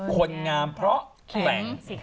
คนงามเพราะแขวง